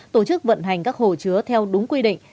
tổ chức vận hành các hồ chứa theo đúng quy định